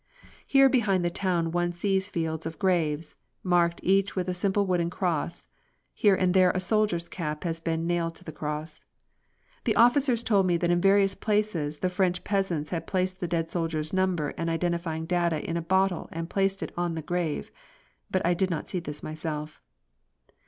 Here behind the town one sees fields of graves marked each with a simple wooden cross. Here and there a soldier's cap has been nailed to the cross. The officers told me that in various places the French peasants had placed the dead soldier's number and identifying data in a bottle and placed it on the grave. But I did not see this myself.